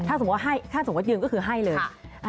ถ้าสมมุติว่ายืมก็คือให้เลย